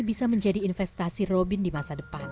bisa menjadi investasi robin di masa depan